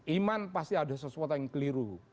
iman pasti ada sesuatu yang keliru